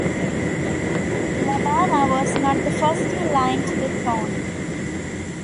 Labarna was not the first in line to the throne.